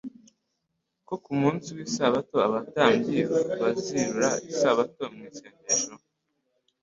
ko ku munsi w'lsabato abatambyi bazirura Isabato mu nsengero